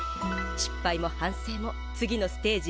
失敗も反省も次のステージへの糧だ。